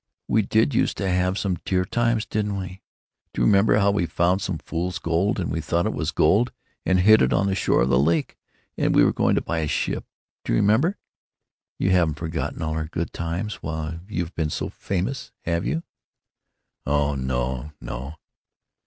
We did use to have some dear times, didn't we! Do you remember how we found some fool's gold, and we thought it was gold and hid it on the shore of the lake, and we were going to buy a ship? Do you remember? You haven't forgotten all our good times, while you've been so famous, have you?" "Oh no, no!"